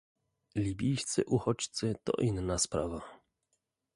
Libijscy uchodźcy to inna sprawa